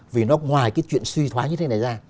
vì nó ngoài cái chuyện suy thoái như thế này ra